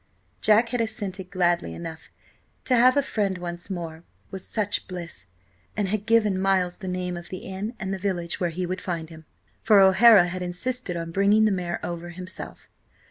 Jack had assented gladly enough–to have a friend once more was such bliss–and had given Miles the name of the inn and the village where he would find him, for O'Hara had insisted on bringing the mare over himself.